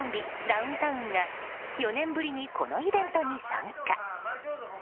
ダウンタウンが４年ぶりにこのイベントに参加。